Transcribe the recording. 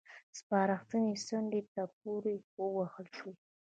سپارښتنې څنډې ته پورې ووهل شوې.